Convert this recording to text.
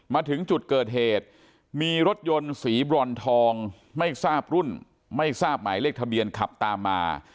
มาถึงจุดเกิดเหตุมีรถยนต์สีบรอนทองไม่ทราบรุ่นไม่ทราบหมายเลขทะเบียนขับตามมา